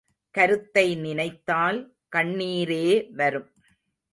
கருத்தை நினைத்தால் கண்ணீரே வரும்.